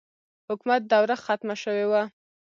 حکومت دوره ختمه شوې وه.